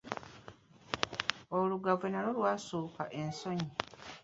Olugave nalwo lwasukka ensonyi.